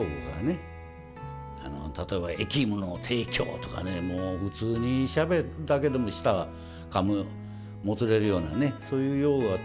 例えば「役務の提供」とかねもう普通にしゃべったけども舌はかむもつれるようなねそういう用語が飛び交うわけだから。